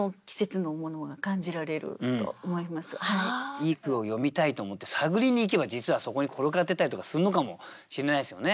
いい句を詠みたいと思って探りにいけば実はそこに転がってたりとかするのかもしれないですよね。